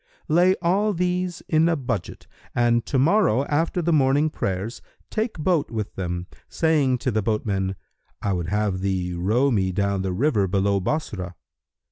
Lay all these in a budget[FN#315] and to morrow, after the morning prayers, take boat with them, saying to the boatman, 'I would have thee row me down the river below Bassorah.'